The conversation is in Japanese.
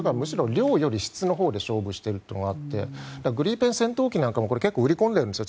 量より質のほうで勝負しているのがあってグリペン戦闘機なんかも売り込んでいるんです。